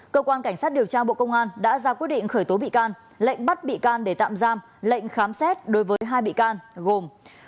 cơ quan cảnh sát điều tra bộ công an đã ra quyết định khởi tố bị can lệnh bắt bị can để tạm giam lệnh khám xét đối với hai bị can gồm